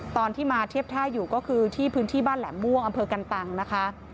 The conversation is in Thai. ตอนที่มาเทียบท่าอยู่ก็คือที่พื้นที่บ้านแหลมม่วงอำเภอกันตังนะคะ